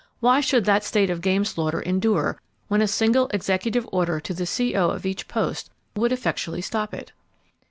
Why should that state of game slaughter endure, when a single executive order to the C.O. of each post would effectually stop it?